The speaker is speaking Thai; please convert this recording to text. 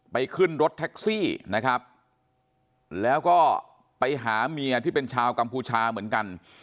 ขึ้นรถแท็กซี่นะครับแล้วก็ไปหาเมียที่เป็นชาวกัมพูชาเหมือนกัน